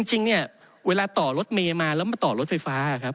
จริงเนี่ยเวลาต่อรถเมย์มาแล้วมาต่อรถไฟฟ้าครับ